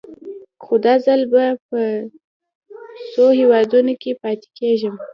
خو دا ځل به په څو هېوادونو کې پاتې کېږم.